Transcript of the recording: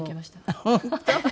あっ本当？